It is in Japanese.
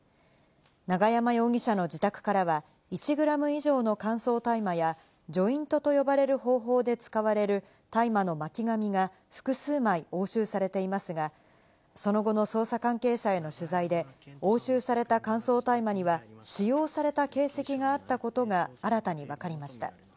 永山容疑者の自宅からは１グラム以上の乾燥大麻やジョイントと呼ばれる方法で使われる大麻の巻き紙が複数枚、押収されていますが、その後の捜査関係者への取材で、押収された乾燥大麻には使用された形跡があったことが新たにわかりました。